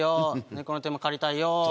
猫の手も借りたいよ